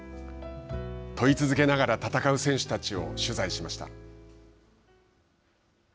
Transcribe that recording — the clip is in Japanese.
問い続けながら戦う選手たちを取材しました。